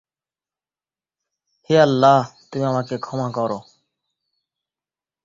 অভিনয়ে ছিলেন Maya Deren এবং আলেক্সান্ডার হামিদ।